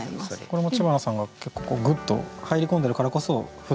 これも知花さんが結構グッと入り込んでるからこそ「降ってくる」。